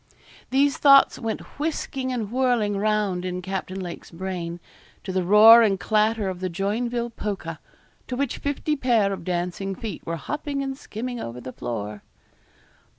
These thoughts went whisking and whirling round in Captain Lake's brain, to the roar and clatter of the Joinville Polka, to which fifty pair of dancing feet were hopping and skimming over the floor.